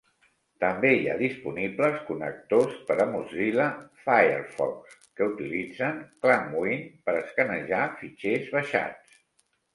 També hi ha disponibles connectors per a Mozilla Firefox que utilitzen ClamWin per escanejar fitxers baixats.